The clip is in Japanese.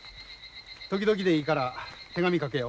時々でいいから手紙書けよ。